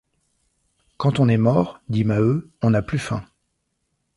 Quand on est mort, dit Maheu, on n’a plus faim.